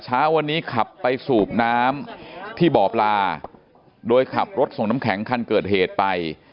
เช้าวันนี้ขับไปสูบน้ำที่บ่อปลาโดยขับรถส่งน้ำแข็งคันเกิดเหตุไป